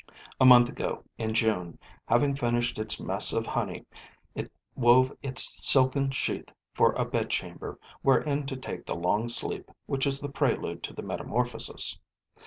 A month ago, in June, having finished its mess of honey, it wove its silken sheath for a bedchamber wherein to take the long sleep which is the prelude to the metamorphosis.